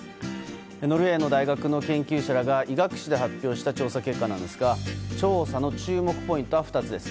ノルウェーの大学の研究者らが医学誌で発表した調査結果なんですが調査の注目ポイントは２つです。